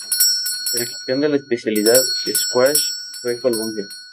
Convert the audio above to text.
El campeón de la especialidad Squash fue Colombia.